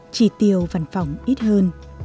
trị tiêu văn phòng ít hơn